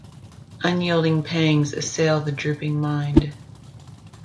Unyielding pangs assail the drooping mind.